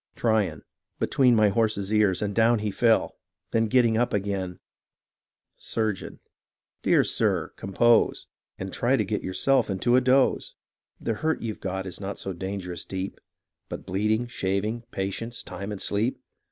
Tryon Between my horse's ears, and down he fell, Then getting up again — Surgeon Dear sir, compose, And try to get yourself into a doze ; The hurt youVe got is not so dangerous deep, But bleeding, shaving, patience, time, and sleep.